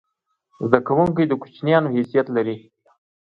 زده کوونکی د کوچنیانو حیثیت لري.